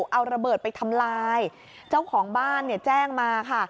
เอาระเบิดไปทำลายเจ้าของบ้านเนี่ยแจ้งมาค่ะ